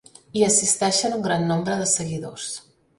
Hi assisteixen un gran nombre de seguidors.